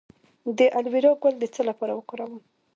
د الوویرا ګل د څه لپاره وکاروم؟